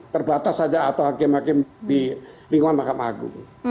terbatas saja atau hakim hakim di lingkungan mahkamah agung